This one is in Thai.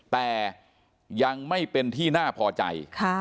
แต่ยังไม่เป็นที่น่าพอใจ